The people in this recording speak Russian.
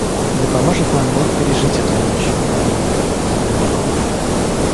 «И да поможет нам бог пережить эту ночь, аминь!» — «Аминь!»